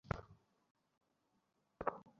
আর তোমরা শুধু একে অপরকে পেটানোর চিন্তায় আছো।